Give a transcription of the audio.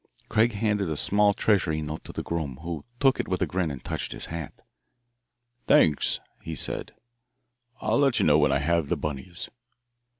Craig handed a small treasury note to the groom, who took it with a grin and touched his hat. "Thanks," he said. "I'll let you know when I have the bunnies."